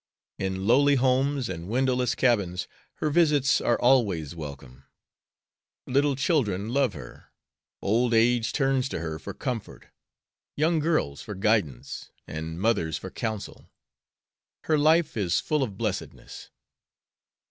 In lowly homes and windowless cabins her visits are always welcome. Little children love her. Old age turns to her for comfort, young girls for guidance, and mothers for counsel. Her life is full of blessedness.